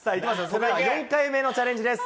それでは４回目のチャレンジです。